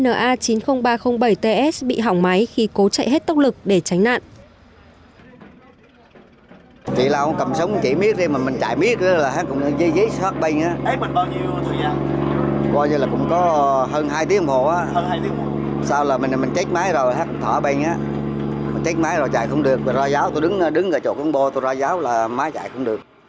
tàu cá dna chín mươi nghìn ba trăm linh bảy ts bị hỏng máy khi cố chạy hết tốc lực để tránh nạn